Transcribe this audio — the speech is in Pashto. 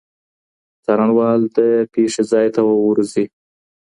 څارنوال د پېښې ځای ته ورځي.